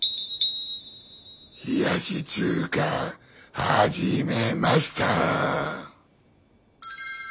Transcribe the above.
「冷やし中華はじめました」